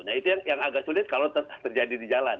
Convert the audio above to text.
nah itu yang agak sulit kalau terjadi di jalan